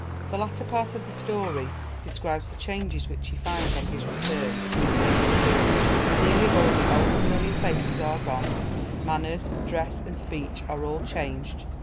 The latter part of the story describes the changes which he finds on his return to his native village: nearly all the old, familiar faces are gone; manners, dress, and speech are all changed.